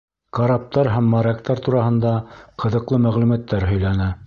Караптар һәм моряктар тураһында ҡыҙыҡлы мәғлүмәттәр һөйләне.